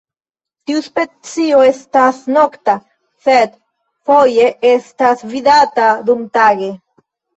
Tiu specio estas nokta, sed foje estas vidata dumtage.